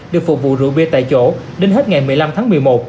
được phục vụ rượu bia tại chỗ đến hết ngày một mươi năm tháng một mươi một